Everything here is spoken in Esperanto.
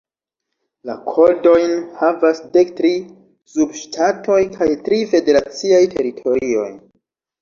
La kodojn havas dek tri subŝtatoj kaj tri federaciaj teritorioj.